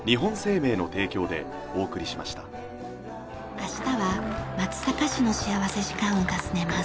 明日は松阪市の幸福時間を訪ねます。